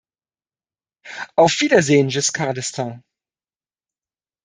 Auf Wiedersehen, Giscard d'Estaing.